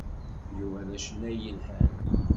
Yuba d acennay yelhan.